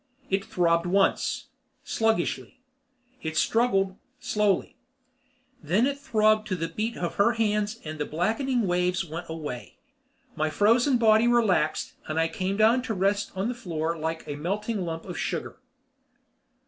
It throbbed once, sluggishly. It struggled, slowly. Then it throbbed to the beat of her hands and the blackening waves went away. My frozen body relaxed and I came down to rest on the floor like a melting lump of sugar.